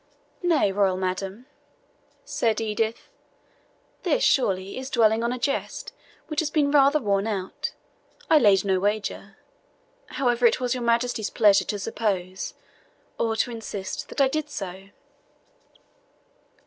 "Nay, royal madam," said Edith, "this, surely, is dwelling on a jest which has rather been worn out, I laid no wager, however it was your Majesty's pleasure to suppose, or to insist, that I did so."